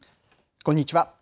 こんにちは。